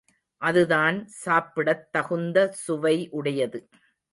அது தான் சாப்பிடத் தகுந்த சுவை உடையது.